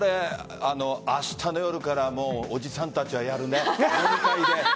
明日の夜からおじさんたちはやるね飲み会で。